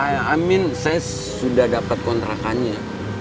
i mean saya sudah dapat kontrakannya